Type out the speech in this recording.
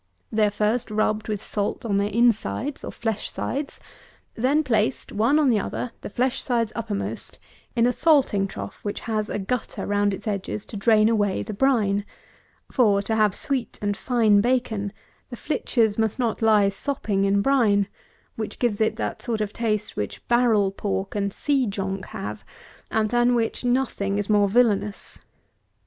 They are first rubbed with salt on their insides, or flesh sides, then placed, one on the other, the flesh sides uppermost, in a salting trough which has a gutter round its edges to drain away the brine; for, to have sweet and fine bacon, the flitches must not lie sopping in brine; which gives it that sort of taste which barrel pork and sea jonk have, and than which nothing is more villanous.